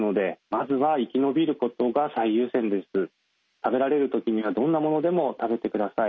食べられる時にはどんなものでも食べてください。